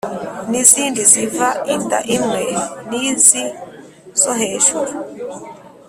n’izindi ziva inda imwe n’izi zo hejuru